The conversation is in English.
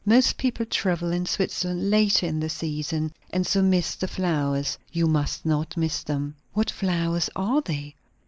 Most people travel in Switzerland later in the season, and so miss the flowers. You must not miss them." "What flowers are they?"